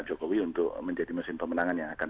jokowi untuk menjadi mesin pemenangan yang akan